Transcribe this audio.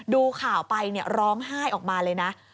ดูข่าวไปร้องไห้ออกมาเลยนะ